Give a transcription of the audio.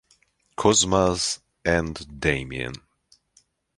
Cosmas and Damian.